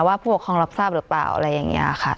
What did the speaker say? ผู้ปกครองรับทราบหรือเปล่าอะไรอย่างนี้ค่ะ